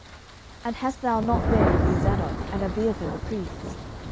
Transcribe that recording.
10:015:035 And hast thou not there with thee Zadok and Abiathar the priests?